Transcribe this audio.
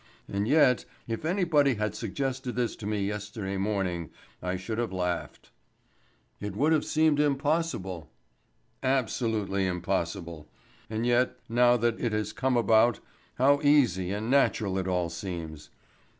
And yet if anybody had suggested this to me yesterday morning, I should have laughed." "It would have seemed impossible." "Absolutely impossible. And yet now that it has come about, how easy and natural it all seems!